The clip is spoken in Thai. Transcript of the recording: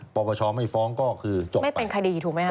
ปปชไม่ฟ้องก็คือจบไม่เป็นคดีถูกไหมค